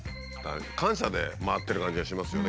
感謝で回ってる感じがしますよね